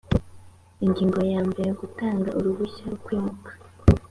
ingingo ya mbere gutanga uruhushya rwo kwimuka